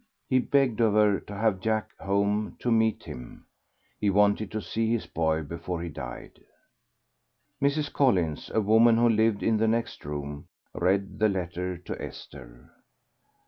He begged of her to have Jack home to meet him. He wanted to see his boy before he died. Mrs. Collins, a woman who lived in the next room, read the letter to Esther.